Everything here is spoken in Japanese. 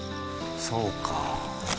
そうか。